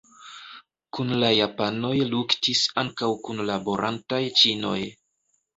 Kun la japanoj luktis ankaŭ kunlaborantaj ĉinoj.